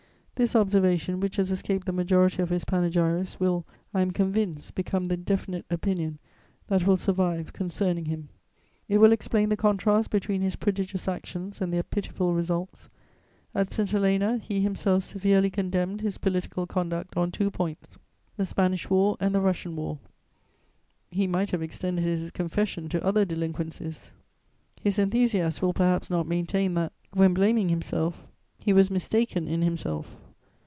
This observation, which has escaped the majority of his panegyrists, will, I am convinced, become the definite opinion that will survive concerning him; it will explain the contrast between his prodigious actions and their pitiful results. At St. Helena, he himself severely condemned his political conduct on two points: the Spanish War and the Russian War; he might have extended his confession to other delinquencies. His enthusiasts will perhaps not maintain that, when blaming himself, he was mistaken in himself.